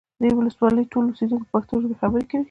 د دې ولسوالۍ ټول اوسیدونکي په پښتو ژبه خبرې کوي